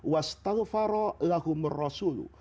wastalfara lahumur rasuluh